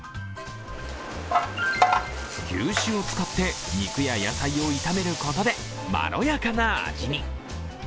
牛脂を使って肉や野菜を炒めることで、まろやかな味に。